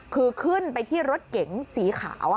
คือขึ้นไปที่รถเก๋งสีขาว